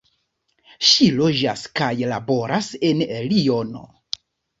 Ŝi loĝas kaj laboras en Liono.